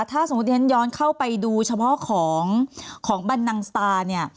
ถ้าสมมุติฉันย้อนเข้าไปดูเฉพาะของของบรรนังสตาร์เนี่ย